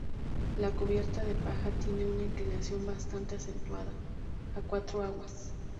La cubierta de paja tiene una inclinación bastante acentuada, a cuatro aguas.